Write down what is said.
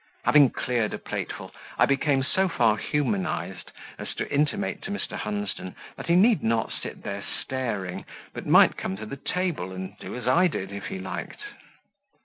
Having cleared a plateful, I became so far humanized as to intimate to Mr. Hunsden that he need not sit there staring, but might come to the table and do as I did, if he liked.